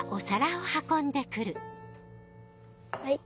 はい。